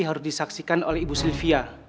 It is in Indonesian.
mau link kak sylvia